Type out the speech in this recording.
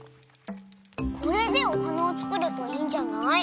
これでおはなをつくればいいんじゃない？